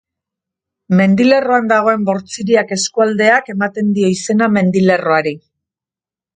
Mendilerroan dagoen Bortziriak eskualdeak ematen dio izena mendilerroari.